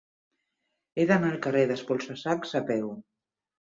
He d'anar al carrer d'Espolsa-sacs a peu.